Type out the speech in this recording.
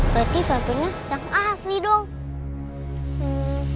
berarti vampirnya yang asli dong